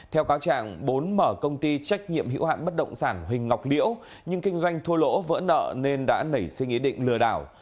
theo cáo trạng bốn mở công ty trách nhiệm hữu hạn bất động sản huỳnh ngọc liễu nhưng kinh doanh thua lỗ vỡ nợ nên đã nảy sinh ý định lừa đảo